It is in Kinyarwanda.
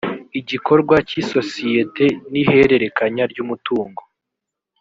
igikorwa cy isosiyete n ihererekanya ry umutungo